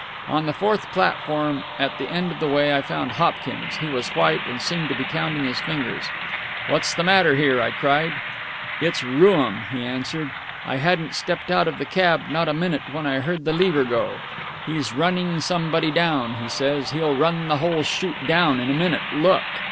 On the fourth platform, at the end of the way, I found Hopkins. He was white, and seemed to be counting on his fingers. "What's the matter here?" I cried. "It's Rooum," he answered. "I hadn't stepped out of the cab, not a minute, when I heard the lever go. He's running somebody down, he says; he'll run the whole shoot down in a minute look!..."